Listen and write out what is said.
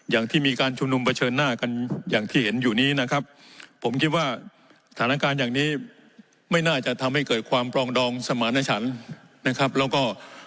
อย่างที่มีการชุมนุมเผชิญหน้ากันอย่างที่เห็นอยู่นี้นะครับผมคิดว่าสถานการณ์อย่างนี้ไม่น่าจะทำให้เกิดความปลองดองสมารณชันนะครับแล้วก็